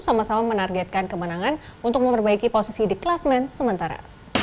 sama sama menargetkan kemenangan untuk memperbaiki posisi di kelas men sementara